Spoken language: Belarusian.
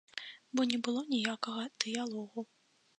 Бо не было ніякага дыялогу.